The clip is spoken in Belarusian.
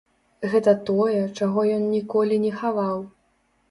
Гэта тое, чаго ён ніколі не хаваў.